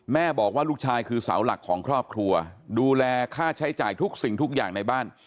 บอกว่าลูกชายคือเสาหลักของครอบครัวดูแลค่าใช้จ่ายทุกสิ่งทุกอย่างในบ้าน